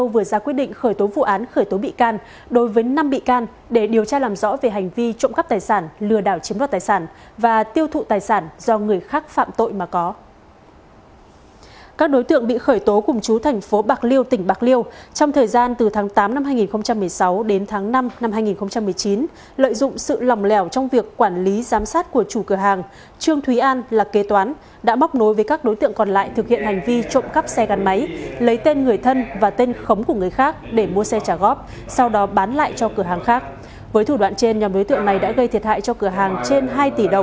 với thủ đoạn trên nhóm đối tượng này đã gây thiệt hại cho cửa hàng trên hai tỷ đồng vụ việc đang được cơ quan công an tiếp tục điều tra xử lý